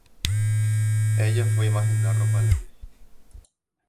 Ella fue imagen de la ropa Levi's.